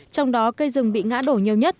trong đó cây rừng bị ngã đổ nhiều nhất